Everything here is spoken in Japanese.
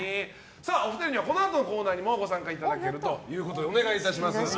お二人にはこのあとのコーナーにもご参加いただけるということでお願いします。